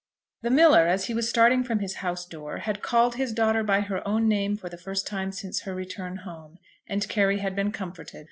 The miller, as he was starting from his house door, had called his daughter by her own name for the first time since her return home, and Carry had been comforted.